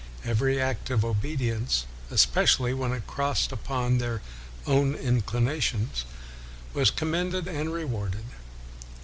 Every act of obedience, " espe cially when it crossed upon their own in clinations," was commended and rewarded.